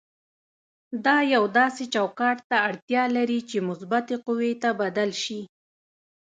دا یو داسې چوکاټ ته اړتیا لري چې مثبتې قوې ته بدل شي.